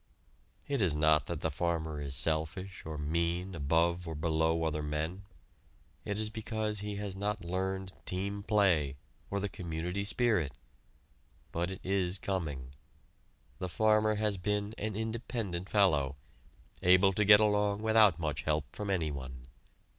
It is not that the farmer is selfish or mean above or below other men. It is because he has not learned team play or the community spirit. But it is coming. The farmer has been an independent fellow, able to get along without much help from anyone.